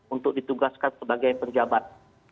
untuk ditugaskan sebagai penjabat